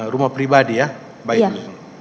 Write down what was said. rumah pribadi ya baik dulu